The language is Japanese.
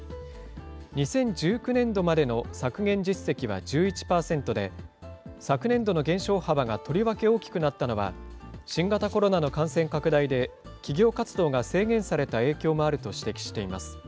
２０１９年度までの削減実績は１１％で、昨年度の減少幅がとりわけ大きくなったのは、新型コロナの感染拡大で、企業活動が制限された影響もあると指摘しています。